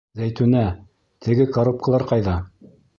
Зәйтүнә, теге коробкалар ҡайҙа?